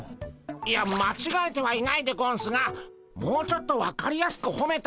いやまちがえてはいないでゴンスがもうちょっと分かりやすくほめた方が。